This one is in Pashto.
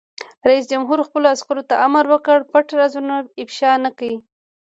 رئیس جمهور خپلو عسکرو ته امر وکړ؛ پټ رازونه افشا نه کړئ!